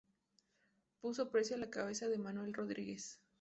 Puso precio a la cabeza de Manuel Rodríguez.